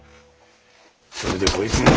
それでこいつが。